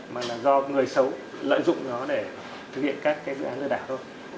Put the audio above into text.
mà là do người xấu lợi dụng nó để thực hiện các cái dự án lừa đảo thôi